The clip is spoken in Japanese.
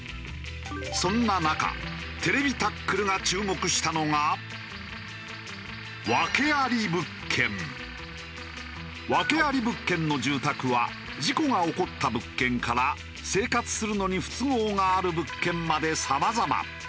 そんな中『ＴＶタックル』が訳あり物件の住宅は事故が起こった物件から生活するのに不都合がある物件までさまざま。